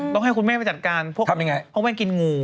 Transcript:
ต้องให้คุณแม่จัดการพวกพวกพวกงวยนกินงู